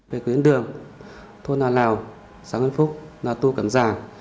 về quyến đường thôn hà lào xã nguyễn phúc là tu cẩm giả